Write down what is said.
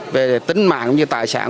về tính mạng như tài sản